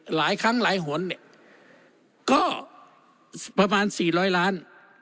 หลายครั้งหลายหลนเนี้ยก็ประมาณสี่ร้อยล้าน